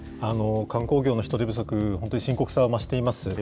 観光業の人手不足、本当に深刻さを増しています。